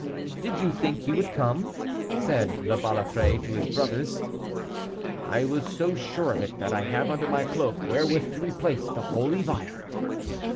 "Did you think he would come?" said La Balafré to his brothers. "I was so sure of it, that I have under my cloak where with to replace the holy vial."